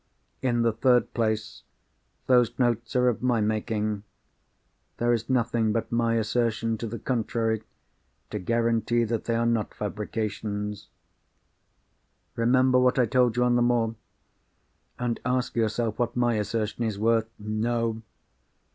In the third place, those notes are of my making; there is nothing but my assertion to the contrary, to guarantee that they are not fabrications. Remember what I told you on the moor—and ask yourself what my assertion is worth. No!